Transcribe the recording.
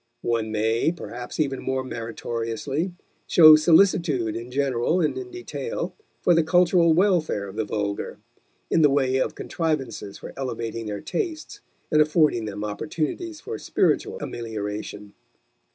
One may, perhaps even more meritoriously, show solicitude in general and in detail for the cultural welfare of the vulgar, in the way of contrivances for elevating their tastes and affording them opportunities for spiritual amelioration.